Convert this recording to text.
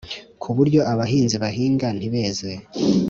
ku buryo abahinzi bahinga ntibeze